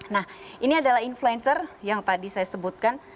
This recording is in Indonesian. nah ini adalah influencer yang tadi saya sebutkan